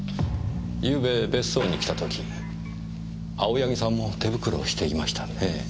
ゆうべ別荘に来た時青柳さんも手袋をしていましたねぇ。